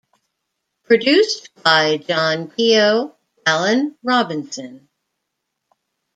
Produced by: John Keogh, Alan Robinson.